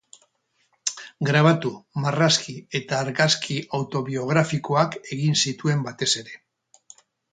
Grabatu, marrazki eta argazki autobiografikoak egin zituen batez ere.